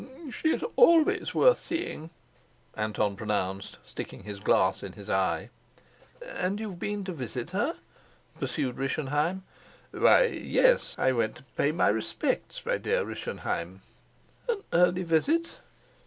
"She's always worth seeing," Anton pronounced, sticking his glass in his eye. "And you've been to visit her?" pursued Rischenheim. "Why, yes. I I went to pay my respects, my dear Rischenheim." "An early visit!"